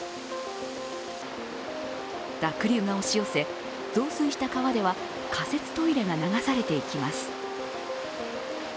濁流が押し寄せ、増水した川では仮設トイレが流されていきます。